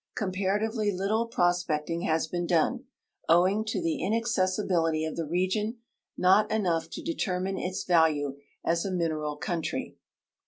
Com])aratively little prospecting has been done, OAving to the inaccessi))ilit}^ of the region; not enough to determine its value as a mineral country.